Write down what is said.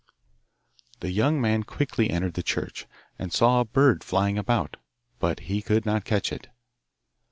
The young man quickly entered the church, and saw a bird flying about, but he could not catch it.